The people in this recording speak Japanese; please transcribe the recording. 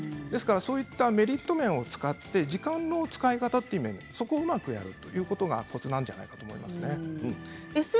そういったメリット面を使って時間の使い方というそこをうまくするということがコツなんじゃないかなと思います。